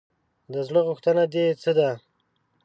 د زړه غوښتنه دې څه ده ؟